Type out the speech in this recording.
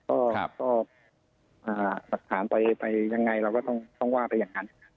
ก็หลักฐานไปยังไงเราก็ต้องว่าไปอย่างนั้น